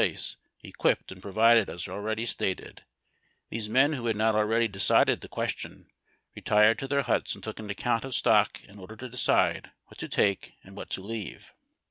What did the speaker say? place, equipped and provided as already stated, those men who had not already decided the question retired to their huts and took an account of stock in order to decide what to take and what to leave.